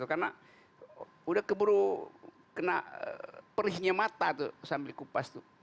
karena udah keburu kena perihnya mata tuh sambil kupas tuh